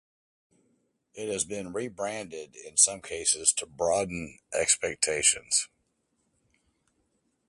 It has been re-branded in some cases to broaden expectations.